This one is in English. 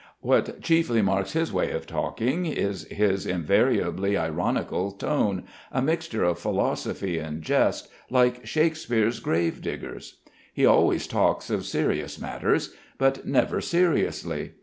What chiefly marks his way of talking is his invariably ironical tone, a mixture of philosophy and jest, like Shakespeare's grave diggers. He always talks of serious matters; but never seriously.